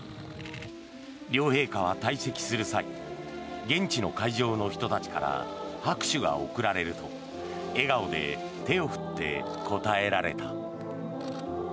両陛下は退席する際現地の会場の人たちから拍手が送られると笑顔で手を振って応えられた。